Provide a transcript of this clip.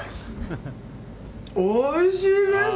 おいしいです！